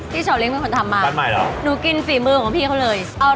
ที่เฉาะเล็กเป็นคนทำมาหนูกินสี่มือของพี่เขาเลยปัดใหม่แล้ว